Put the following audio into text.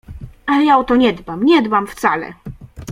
— Ale ja o to nie dbam… nie dbam wcale…